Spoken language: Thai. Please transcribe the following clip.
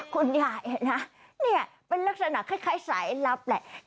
คุณยายนะเนี่ยเป็นลักษณะคล้ายสายลับแหละ